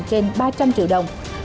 trên ba trăm linh triệu đồng